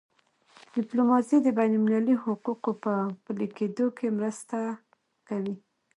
ډیپلوماسي د بینالمللي حقوقو په پلي کېدو کي مرسته کوي.